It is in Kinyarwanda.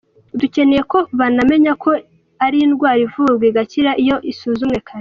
Dukeneye ko banamenya ko ari indwara ivurwa igakira iyo yasuzumwe kare.